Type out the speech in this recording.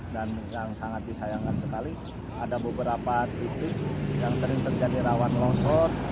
dan yang sangat disayangkan sekali ada beberapa titik yang sering terjadi rawan longsor